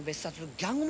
ギャング物？